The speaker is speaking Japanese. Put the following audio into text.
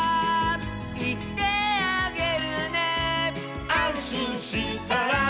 「いってあげるね」「あんしんしたら」